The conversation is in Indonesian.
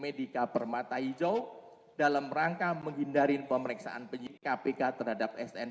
medika permata hijau dalam rangka menghindari pemeriksaan penyidik kpk terhadap sn